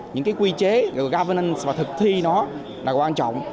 những quy chế governance và thực thi nó là quan trọng